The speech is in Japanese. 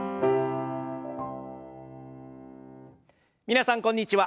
皆さんこんにちは。